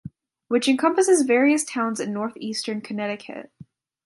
Which encompasses various towns in Northeastern Connecticut.